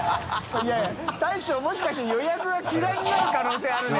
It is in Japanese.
いやいや大将もしかして予約が嫌いになる可能性あるね。